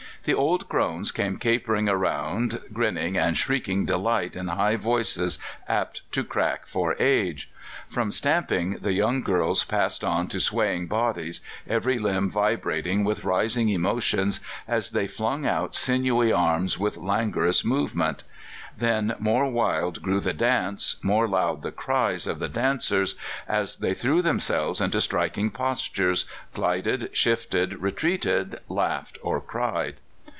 The old crones came capering round, grinning and shrieking delight in high voices apt to crack for age. From stamping the young girls passed on to swaying bodies, every limb vibrating with rising emotion, as they flung out sinewy arms with languorous movement; then more wild grew the dance, more loud the cries of the dancers, as they threw themselves into striking postures, glided, shifted, retreated, laughed, or cried.